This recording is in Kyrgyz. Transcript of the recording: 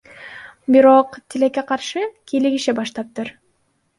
Бирок, тилекке каршы, кийлигише баштаптыр.